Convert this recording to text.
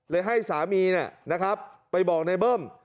เลยให้สามีไปบอกนายเบิ้ม